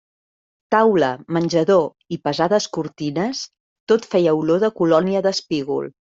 Taula, menjador i pesades cortines, tot feia olor de colònia d'espígol.